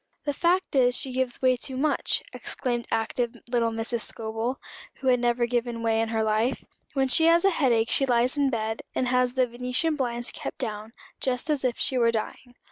"The fact is she gives way too much," exclaimed active little Mrs. Scobel, who had never given way in her life. "When she has a head ache she lies in bed, and has the venetian blinds kept down, just as if she were dying.